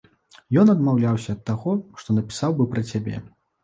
Ён адмаўляўся ад таго, што напісаў быў пра цябе.